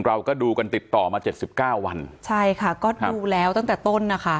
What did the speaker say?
เราก็ดูกันติดต่อมาเจ็ดสิบเก้าวันใช่ค่ะก็ดูแล้วตั้งแต่ต้นนะคะ